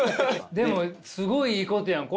でもすごいいいことやん。